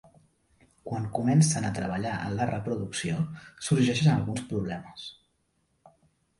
Quan comencen a treballar en la reproducció sorgeixen alguns problemes.